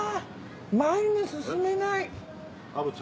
前に進めない！